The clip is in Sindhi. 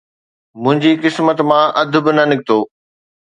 منهنجي قسمت مان اڌ به نه نڪتو